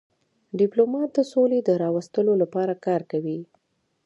ډيپلومات د سولي د راوستلو لپاره کار کوي.